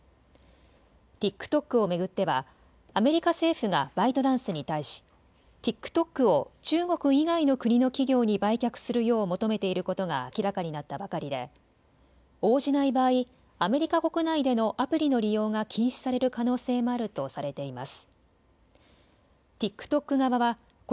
ＴｉｋＴｏｋを巡ってはアメリカ政府がバイトダンスに対しＴｉｋＴｏｋを中国以外の国の企業に売却するよう求めていることが明らかになったばかりで応じない場合、アメリカ国内でのアプリの利用が禁止される可能性もあるとされています。